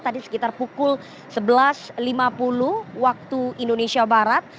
tadi sekitar pukul sebelas lima puluh waktu indonesia barat